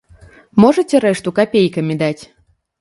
Можаце рэшту капейкамі даць?